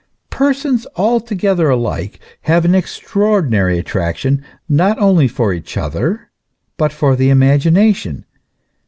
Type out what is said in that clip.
Persons altogether alike have an extraordinary attraction not only for each other, but for the imagination.